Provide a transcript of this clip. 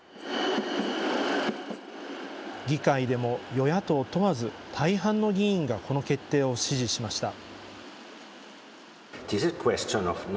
議会でも与野党問わず大半の議員がこの決定を支持しました。